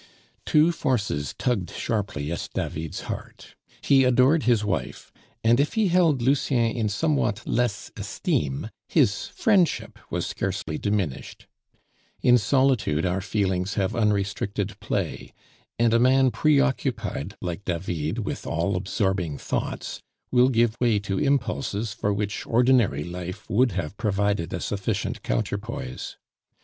Two forces tugged sharply at David's heart; he adored his wife; and if he held Lucien in somewhat less esteem, his friendship was scarcely diminished. In solitude our feelings have unrestricted play; and a man preoccupied like David, with all absorbing thoughts, will give way to impulses for which ordinary life would have provided a sufficient counterpoise.